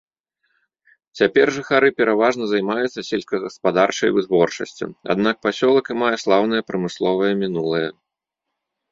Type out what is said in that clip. Цяпер жыхары пераважна займаюцца сельскагаспадарчай вытворчасцю, аднак пасёлак і мае слаўнае прамысловае мінулае.